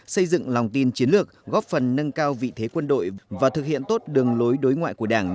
xây dựng lòng tin chiến lược góp phần nâng cao vị thế quân đội và thực hiện tốt đường lối đối ngoại của đảng